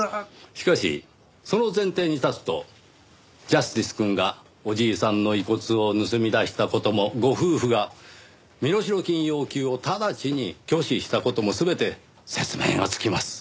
しかしその前提に立つと正義くんがおじいさんの遺骨を盗み出した事もご夫婦が身代金要求を直ちに拒否した事も全て説明がつきます。